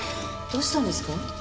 どうしたんですか？